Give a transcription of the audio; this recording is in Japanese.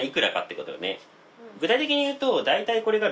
具体的に言うと高っ。